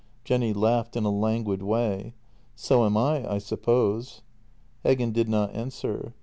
Jenny laughed in a languid way. " So am I, I suppose." Heggen did not answer.